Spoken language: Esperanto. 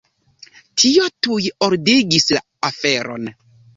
Tio tuj ordigis la aferon.